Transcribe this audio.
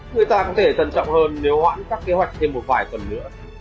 người ta có thể trân trọng hơn nếu hoãn các kế hoạch thêm một vài tuần nữa